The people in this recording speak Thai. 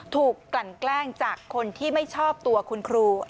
กลั่นแกล้งจากคนที่ไม่ชอบตัวคุณครู